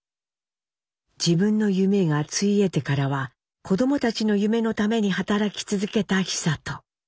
自分の夢がついえてからは子どもたちの夢のために働き続けた久渡。